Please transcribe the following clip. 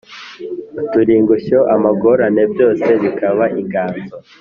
uturingushyo, amagorane byose bikaba inganzo